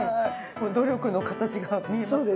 努力の形が見えますね。